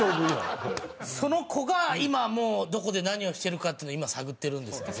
その子が今もうどこで何をしてるかっていうのを今探ってるんですけど。